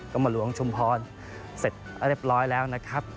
ก็มาหลวงชุมพรเสร็จเรียบร้อยแล้วนะครับ